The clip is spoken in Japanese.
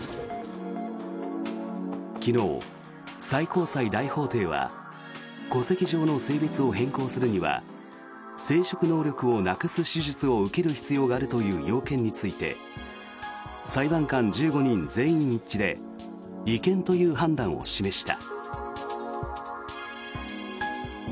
昨日、最高裁大法廷は戸籍上の性別を変更するには生殖能力をなくす手術を受ける必要があるという要件について裁判官１５人全員一致で違憲という判断を示した。